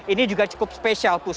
ini juga cukup spesial